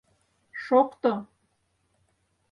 Шокто.